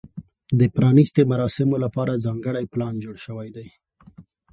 د پرانیستې مراسمو لپاره ځانګړی پلان جوړ شوی دی.